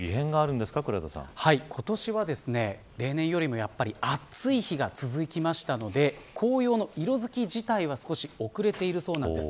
今年は、例年よりも暑い日が続きましたので紅葉の色づき自体は少し遅れているそうなんです。